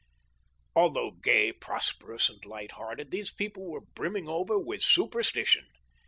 Although gay, prosperous, and light hearted, these people were brimming over with superstition.